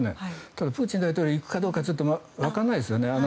ただプーチン大統領いくかどうかわからないですよね。